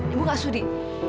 ibu gak sudi